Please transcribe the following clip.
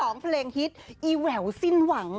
เพลงฮิตอีแหววสิ้นหวัง